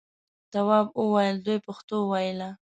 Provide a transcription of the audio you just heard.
تواب وویل دوی پښتو ویله.